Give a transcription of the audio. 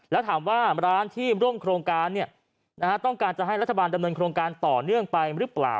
แล้วถามว่าร้านที่ร่วมโครงการต้องการจะให้รัฐบาลดำเนินโครงการต่อเนื่องไปหรือเปล่า